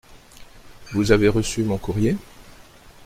Vous avez reçu mon courrier ?